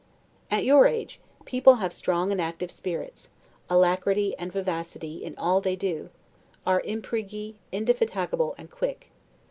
At your age, people have strong and active spirits, alacrity and vivacity in all they do; are 'impigri', indefatigable, and quick.